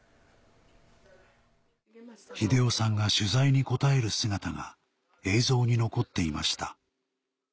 日出雄さんが取材に答える姿が映像に残っていました